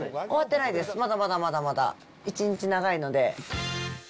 終わってないです、まだまだまだまだ１日長いので。